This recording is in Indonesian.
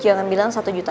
jangan bilang satu juta